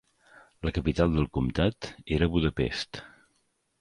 La capital del comptat era Budapest.